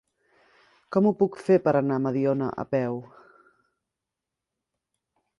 Com ho puc fer per anar a Mediona a peu?